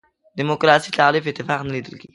دیموکراسي تعریف اتفاق نه لیدل کېږي.